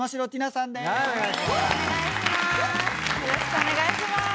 よろしくお願いします。